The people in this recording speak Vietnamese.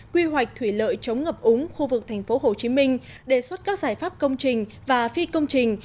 quy hoạch thủy lợi chống ngập úng khu vực tp hcm đề xuất các giải pháp công trình và phi công trình